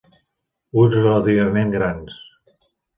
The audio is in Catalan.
Ulls relativament grans.